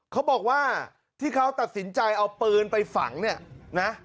เขาบอกว่าที่เขาตัดสินใจเอาปืนไปฝังเนี่ยนะ